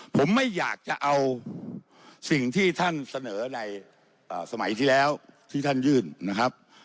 ผมไม่อยากจะเอาสิ่งที่ท่านเสนอในสมัยที่แล้วที่ท่านยื่นนะครับ